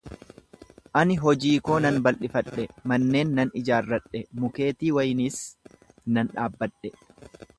Ani hojii koo nan bal'ifadhe; manneen nan ijaarradhe, mukkeetii wayniis nan dhaabbadhe;